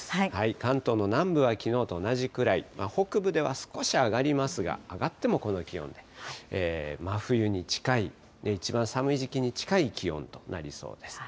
関東の南部はきのうと同じくらい、北部では少し上がりますが、上がってもこの気温で、真冬に近い、一番寒い時期に近い気温となりそうです。